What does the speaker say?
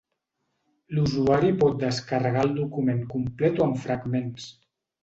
L'usuari pot descarregar el document complet o en fragments.